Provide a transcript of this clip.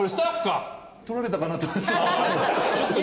撮られたかなと。